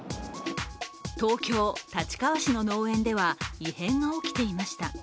東京・立川市の農園では異変が起きていました。